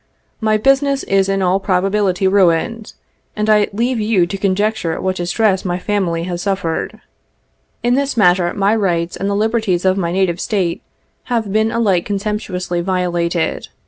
My business is in all probability ruined, and I leave you to conjecture what distress my family has suffered. In this matter my rights and the liberties of my native State have been alike contemptuously violated.